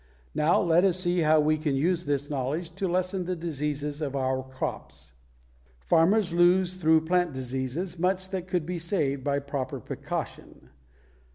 Now let us see how we can use this knowledge to lessen the diseases of our crops. Farmers lose through plant diseases much that could be saved by proper precaution.